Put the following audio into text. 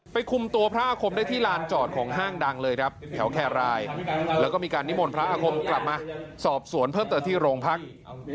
คุมตัวพระอาคมได้ที่ลานจอดของห้างดังเลยครับแถวแครรายแล้วก็มีการนิมนต์พระอาคมกลับมาสอบสวนเพิ่มเติมที่โรงพัก